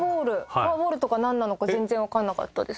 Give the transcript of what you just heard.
フォアボールとかなんなのか全然わかんなかったです。